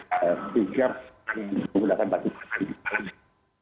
dan siapkan penggunaan batu pasang di malam ini